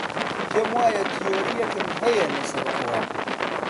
پێم وایە تیۆرییەکم هەیە لەسەر ئەوە.